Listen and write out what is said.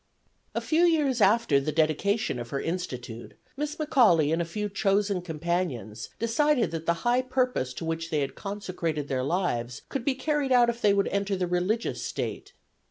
A few years after the dedication of her institute Miss McAuley and a few chosen companions decided that the high purpose to which they had consecrated their lives could be carried out if they would enter the religious state.